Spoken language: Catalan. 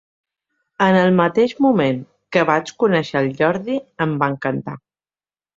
En el mateix moment que vaig conèixer el Jordi em va encantar.